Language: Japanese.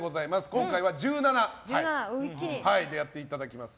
今日は１７牌でやっていただきます。